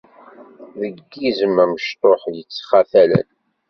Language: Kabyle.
Deg yizem amecṭuḥ yettxatalen.